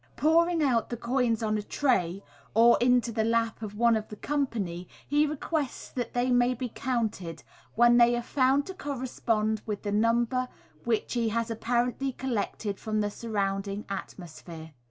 Pouring out the coins on a tray, or into the lap of one of the company, he requests that they may be counted, when they are found to correspond with the number which he has apparently collected from the surrounding atmosphere.